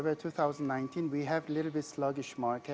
perjalanan kita sedikit berkelakuan karena